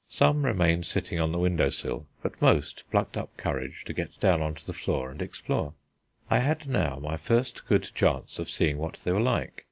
Some remained sitting on the window sill, but most plucked up courage to get down on to the floor and explore. I had now my first good chance of seeing what they were like.